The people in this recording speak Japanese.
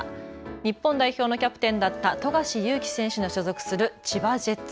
日本代表のキャプテンだった富樫勇樹選手の所属する千葉ジェッツ。